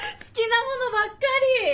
好きなものばっかり！